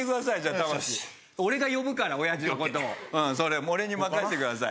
魂俺が呼ぶから親父のことをうんそれ俺に任せてください